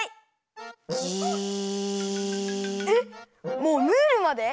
もうムールまで？